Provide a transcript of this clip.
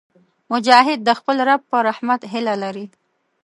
مجاهد د خپل رب په رحمت هیله لري.